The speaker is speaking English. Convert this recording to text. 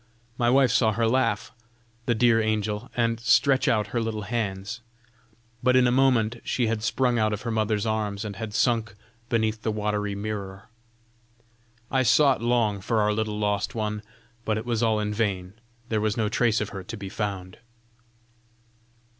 My wife saw her laugh, the dear angel, and stretch out her little hands; but in a moment she had sprung out of her mother's arms, and had sunk beneath the watery mirror. I sought long for our little lost one; but it was all in vain; there was no trace of her to be found."